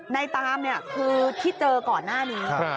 ตามคือที่เจอก่อนหน้านี้